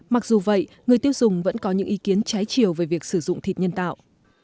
mặc dù vậy người tiêu dùng vẫn có những ý kiến trái chiều về việc sử dụng thịt nhân tạo